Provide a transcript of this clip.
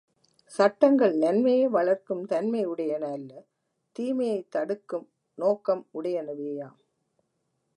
சட்டங்கன் நன்மையை வளர்க்கும் தன்மை உடையன அல்ல தீமையை தடுக்கும் நோக்க முடையனவேயாம்.